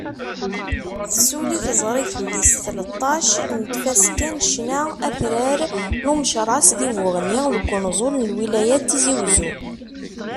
Tessuli teẓrigt tis tleṭṭac n tfaska n ccna atrar n Umecras di Buɣni deg unẓul n lwilaya n Tizi Uzzu.